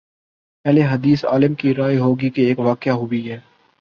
اہل حدیث عالم کی رائے ہو گی کہ ایک واقع ہوئی ہے۔